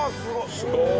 すごい！